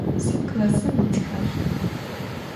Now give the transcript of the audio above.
Sıd klassım yitxer?